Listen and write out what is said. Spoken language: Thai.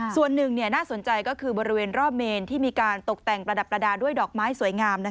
ส่วนหนึ่งน่าสนใจก็คือบริเวณรอบเมนที่มีการตกแต่งประดับประดาษด้วยดอกไม้สวยงาม